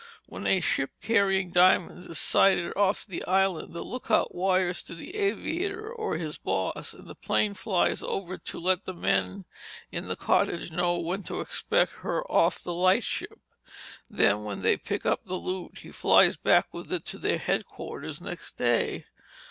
When a ship carrying diamonds is sighted off the Island, the lookout wires to the aviator or his boss and the plane flies over to let the men in the cottage know when to expect her off the lightship. Then when they pick up the loot, he flies back with it to their headquarters next day.